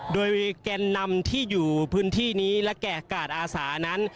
โดยแกนนำที่อยู่พื้นที่นี้และแก่กาดอาสานั้น